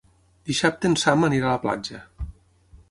Dissabte en Sam anirà a la platja.